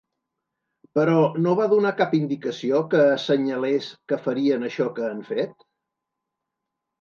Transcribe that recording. Però no va donar cap indicació que assenyalés que farien això que han fet?